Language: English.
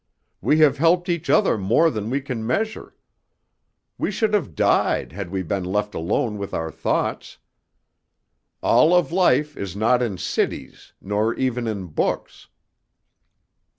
We have helped each other more than we can measure. We should have died had we been left alone with our thoughts. All of life is not in cities, nor even in books."